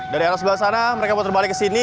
dari arah sebelah sana mereka puterbalik ke sini